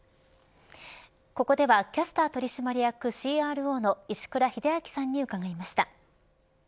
ここではキャスター取締役ＣＲＯの石倉秀明さんに伺いました。